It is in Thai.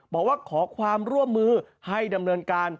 บอกว่าขอความร่วมมือให้ดำเนินการ